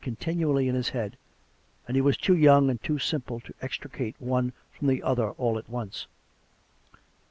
49 continually in his head, and he was too young and too simple to extricate one from the other all at once.